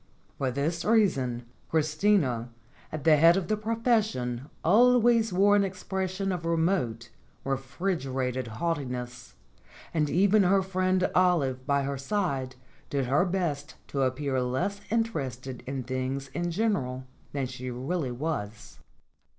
For this reason Christina at the head of the profession always wore an expression of remote, re frigerated haughtiness; and even her friend Olive by her side did her best to appear less interested in things in general than she really was.